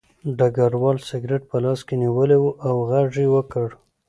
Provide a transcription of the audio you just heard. ډګروال سګرټ په لاس کې نیولی و او غږ یې وکړ